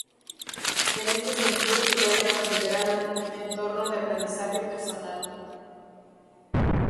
En este sentido se puede considerar un Entorno de Aprendizaje Personal.